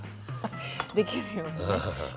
できるようにね。